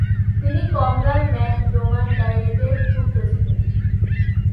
তিনি Comgall mac ডোমানগাইরেটের পুত্র ছিলেন।